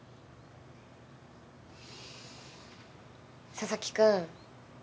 佐々木くん